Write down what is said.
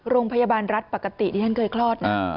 โรงพยาบาลรัฐปกติที่ฉันเคยคลอดนะ